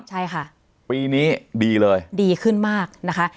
ใช่ค่ะปีนี้ดีเลยดีขึ้นมากนะคะ